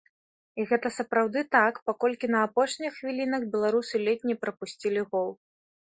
І гэта сапраўды так, паколькі на апошніх хвілінах беларусы ледзь не прапусцілі гол.